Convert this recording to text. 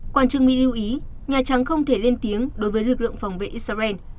quan chức mỹ lưu ý nhà trắng không thể lên tiếng đối với lực lượng phòng vệ israel